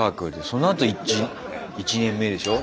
そのあと１年目でしょ。